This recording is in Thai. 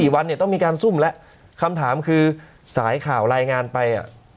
วันเนี่ยต้องมีการซุ่มแล้วคำถามคือสายข่าวรายงานไป